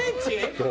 そう。